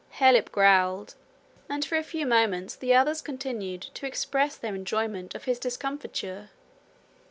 Harelip growled, and for a few moments the others continued to express their enjoyment of his discomfiture.